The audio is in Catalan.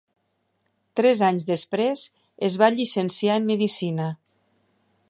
Tres anys després es va llicenciar en medicina.